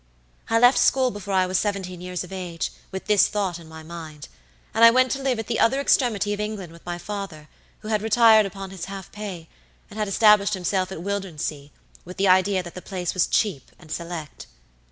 "I left school before I was seventeen years of age, with this thought in my mind, and I went to live at the other extremity of England with my father, who had retired upon his half pay, and had established himself at Wildernsea, with the idea that the place was cheap and select.